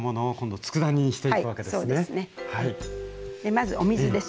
まずお水ですね。